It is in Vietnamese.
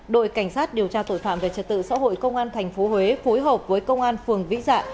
đội cảnh sát điều tra tội phạm về trật tự xã hội công an tp huế phối hợp với công an phường vĩ dạ